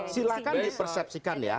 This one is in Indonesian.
silahkan dipersepsikan ya